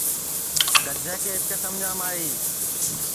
گدھے کے اِٻکے سمجام آئی